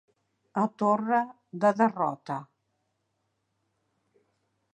A torre da derrotA.